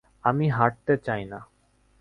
আমি হাঁটতে চাই না।